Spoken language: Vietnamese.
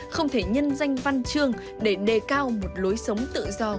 không thể nhân danh văn trương để đề cao một lối sống tự do của học sinh